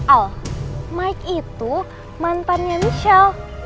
al mike itu mantannya michel